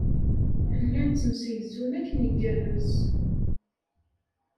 Llan ttemsegzun akken igerrez.